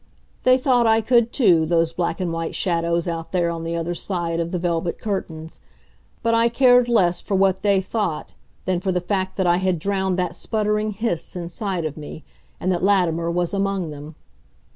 They thought I could, too, those black and white shadows out there on the other side of the velvet curtains. But I cared less for what they thought than for the fact that I had drowned that sputtering hiss ss ss inside of me, and that Latimer was among them.